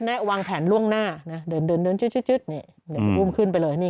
แน่ะวางแผนล่วงหน้านะเดินเดินเดินซึ่งนี่คืนไปเลยนี่